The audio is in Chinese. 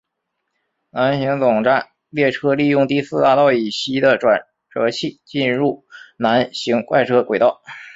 南行总站列车利用第四大道以西的转辙器进入南行快车轨道。